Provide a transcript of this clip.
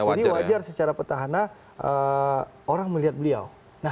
jadi wajar secara petahana orang melihat beliau